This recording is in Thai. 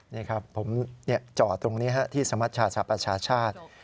นี่ครับผมเจาะตรงนี้ที่สมชาติศาสตร์ประชาชาติ